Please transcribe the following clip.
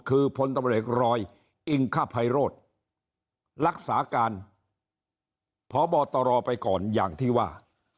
คือพลตำรวจเอกรอยอิงคภัยโรธรักษาการพบตรไปก่อนอย่างที่ว่า